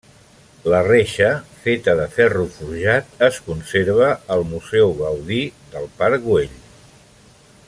La reixa, feta de ferro forjat, es conserva al Museu Gaudí del Parc Güell.